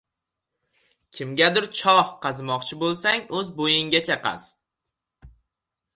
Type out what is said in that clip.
• Kimgadir choh qazimoqchi bo‘lsang o‘z bo‘yingcha qazi.